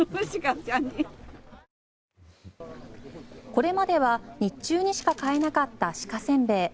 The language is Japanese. これまでは日中にしか買えなかった鹿せんべい。